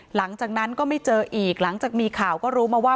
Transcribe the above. หลังจากนั้นก็ไม่เจออีกหลังจากมีข่าวก็รู้มาว่า